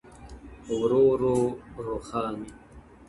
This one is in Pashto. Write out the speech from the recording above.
ورو ورو روښان